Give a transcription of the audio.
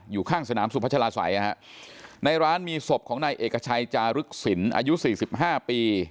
อยู่ข้างสนามสุพัชลาศัยในร้านมีศพของนายเอกชัยจารึกศิลป์อายุ๔๕ปี